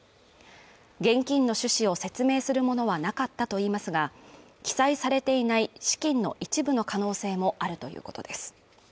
現金の趣旨を説明するものはなかったといいますが記載されていない資金の一部の可能性もあるということです